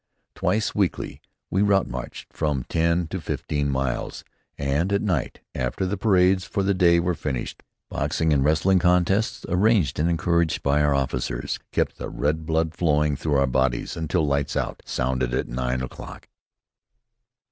Twice weekly we route marched from ten to fifteen miles; and at night, after the parades for the day were finished, boxing and wrestling contests, arranged and encouraged by our officers, kept the red blood pounding through our bodies until "lights out" sounded at nine o'clock.